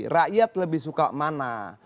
rakyat lebih suka mana